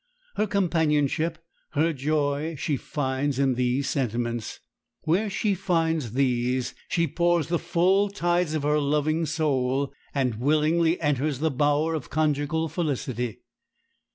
Her companionship, her joy, she finds in these sentiments. Where she finds these she pours the full tides of her loving soul, and willingly enters the bower of conjugal felicity.